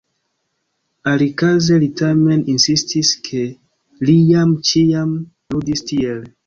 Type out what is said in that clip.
Alikaze li tamen insistis, ke li jam ĉiam ludis tiel.